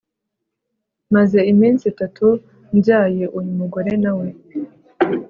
Maze iminsi itatu mbyaye uyu mugore na we